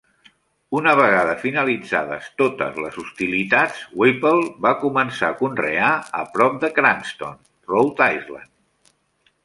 Una vegada finalitzades totes les hostilitats, Whipple va començar a conrear a prop de Cranston, Rhode Island.